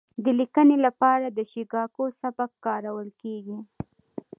د لیکنې لپاره د شیکاګو سبک کارول کیږي.